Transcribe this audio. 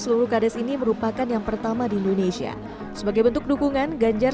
seluruh kades ini merupakan yang pertama di indonesia sebagai bentuk dukungan ganjar